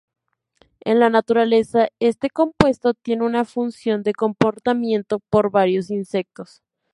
En la naturaleza, este compuesto tiene una función de comportamiento por varios insectos.